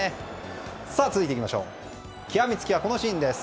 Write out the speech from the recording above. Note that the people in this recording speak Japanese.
続いて、極め付きはこちらのシーンです。